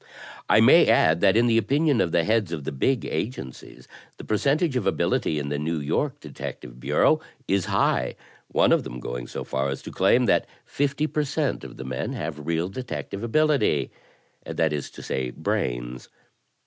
I may add that in the opinion of the heads of the big agencies the percentage of ability in the New York Detective Bureau is high — one of them going so far as to claim that fifty percent of the men have real detective ability — that is to say "brains."